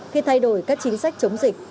khi thay đổi các chính sách chống dịch